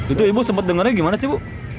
itu ibu sempat dengarnya gimana sih bu